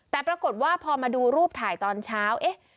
แต่ปรากฏว่าพอมาดูรูปถ่ายตอนเช้าเอ๊ะ